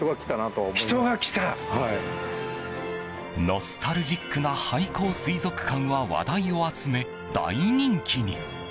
ノスタルジックな廃校水族館は話題を集め大人気に。